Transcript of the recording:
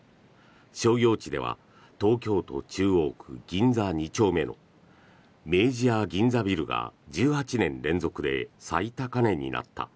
商業地では東京都中央区銀座２丁目の明治屋銀座ビルが１８年連続で最高値になった。